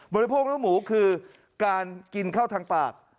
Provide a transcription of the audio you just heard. บริโภคเนื้อหมูคือการกินข้าวทางปาก